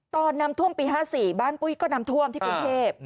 ตอนน้ำท่วมปี๕๔บ้านปุ้ยก็นำท่วมที่กรุงเทพ